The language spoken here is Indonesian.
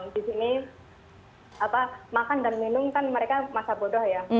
disini makan dan minum kan mereka masa bodoh ya